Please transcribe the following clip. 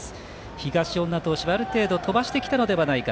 東恩納投手はある程度飛ばしてきたのではないか。